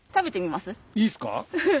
いいっすか？